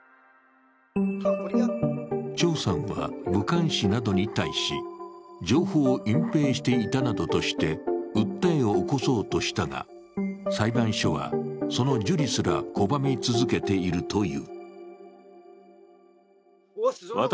張さんは武漢市などに対し情報を隠ぺいしていたなどとして訴えを起こそうとしたが、裁判所はその受理すら拒み続けているという。